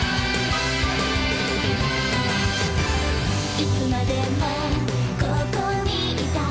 「いつまでもここにいたい」